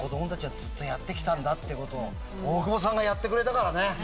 やってきたんだってことを大久保さんがやってくれたからね。